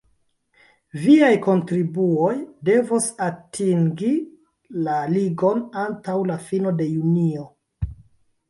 Viaj kontribuoj devos atingi la Ligon antaŭ la fino de junio.